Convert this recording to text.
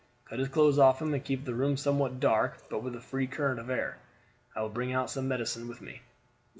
Cut his clothes off him, and keep the room somewhat dark, but with a free current of air. I will bring out some medicine with me."